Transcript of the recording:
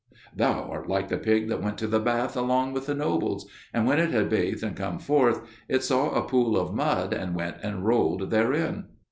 '" "Thou art like the pig that went to the bath along with the nobles; and when it had bathed and come forth, it saw a pool of mud, and went and rolled therein."